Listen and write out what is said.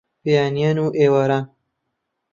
بەیانیان و ئێواران